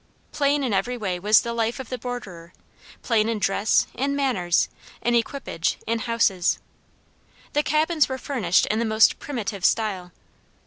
Plain in every way was the life of the borderer plain in dress, in manners, in equipage, in houses. The cabins were furnished in the most primitive style.